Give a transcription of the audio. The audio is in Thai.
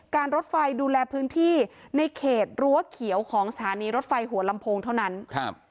รถไฟดูแลพื้นที่ในเขตรั้วเขียวของสถานีรถไฟหัวลำโพงเท่านั้นครับ